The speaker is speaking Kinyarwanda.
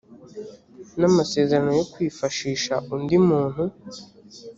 n amasezerano yo kwifashisha undi muntu